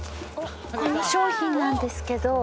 この商品なんですけど。